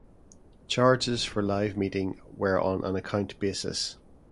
Charges for Live Meeting were on an account basis.